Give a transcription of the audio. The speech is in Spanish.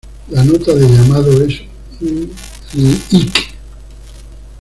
La nota de llamado es un "ik".